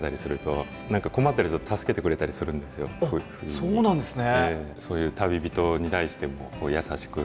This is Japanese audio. あっそうなんですね。